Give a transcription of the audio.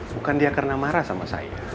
bukan dia karena marah sama saya